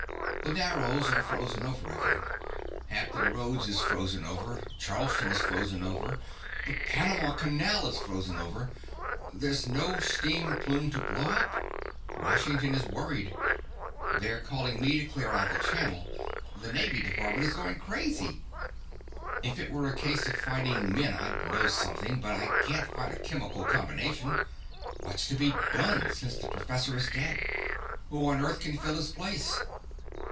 The Narrows are frozen over again. Hampton Roads is frozen over. Charleston is frozen over. The Panama Canal is frozen over! There's no steam plume to blow up. Washington is worried. They're calling me to clear out the channel. The navy department is going crazy. If it were a case of fighting men I'd know something, but I can't fight a chemical combination. What's to be done, since the professor is dead? Who on earth can fill his place?"